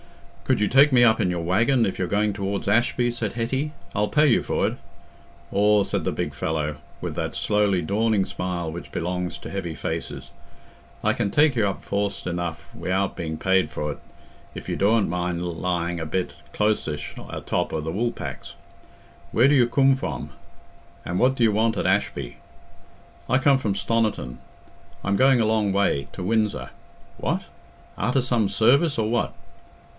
"Could you take me up in your waggon, if you're going towards Ashby?" said Hetty. "I'll pay you for it." "Aw," said the big fellow, with that slowly dawning smile which belongs to heavy faces, "I can take y' up fawst enough wi'out bein' paid for't if you dooant mind lyin' a bit closish a top o' the wool packs. Where do you coom from? And what do you want at Ashby?" "I come from Stoniton. I'm going a long way—to Windsor." "What! Arter some service, or what?"